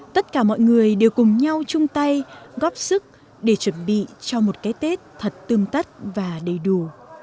tất cả mọi người đều cùng nhau chung tay góp sức để chuẩn bị cho một cái tết thật tươm tắt và đầy đủ